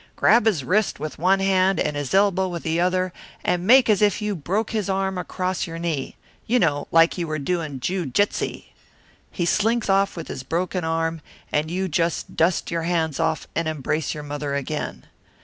"Grab his wrist with one hand and his elbow with the other and make as if you broke his arm across your knee you know, like you were doing joojitsey. He slinks off with his broken arm, and you just dust your hands off and embrace your mother again.